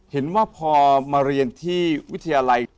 เห็นว่าพอมาเรียนที่วิทยาลัย